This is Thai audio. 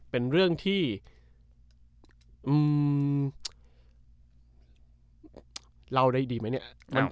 เป็นเรื่องที่เล่าได้ดีไหมเนี่ย